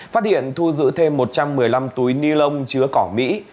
phát hiện thu giữ thêm một trăm một mươi năm túi ni lông chứa cỏ mỹ